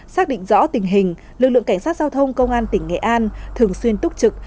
xác định rõ tình hình lực lượng cảnh sát giao thông công an tỉnh nghệ an thường xuyên túc trực